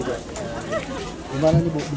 ada yang beli